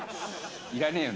いらねえよ